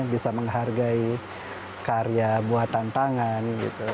bisa menghargai karya buatan tangan